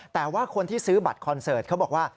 แต่ว่าคนที่ซื้อบัตรคอนเสิร์ตเขาบอกว่า